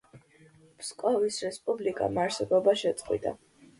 ფსკოვის რესპუბლიკამ არსებობა შეწყვიტა.